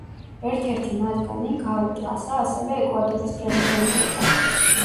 ერთ-ერთი მათგანი, გალო პლასა, ასევე ეკვადორის პრეზიდენტი იყო.